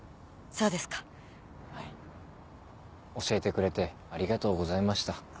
教えてくれてありがとうございました。